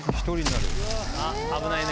危ないね。